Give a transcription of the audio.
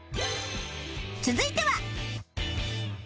続いては